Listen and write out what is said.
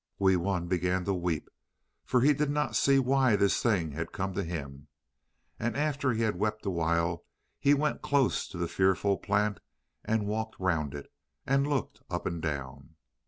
Wee Wun began to weep, for he did not see why this thing had come to him. And after he had wept awhile he went close to the fearful plant and walked round it, and looked up and down.